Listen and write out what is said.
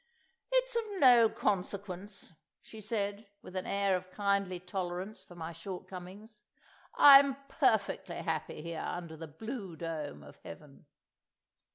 "It's of no consequence," she said, with an air of kindly tolerance for my shortcomings. "I'm perfectly happy here under the blue dome of heaven."